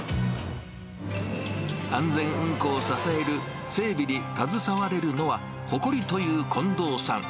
安全運行を支える整備に携われるのは誇りという近藤さん。